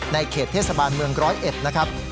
ในเขตเทศบาลเมือง๑๐๑นะครับ